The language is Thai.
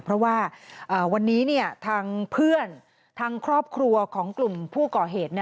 เพราะว่าวันนี้ทางเพื่อนทางครอบครัวของกลุ่มผู้ก่อเหตุ